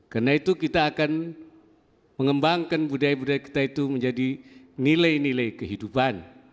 karena itu kita akan mengembangkan budaya budaya kita itu menjadi nilai nilai kehidupan